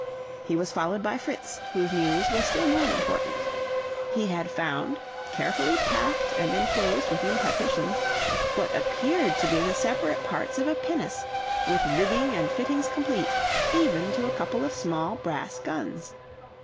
He was followed by Fritz, whose news was still more important. He had found, carefully packed and enclosed within partitions, what appeared to be the separate parts of a pinnace, with rigging and fittings complete, even to a couple of small brass guns.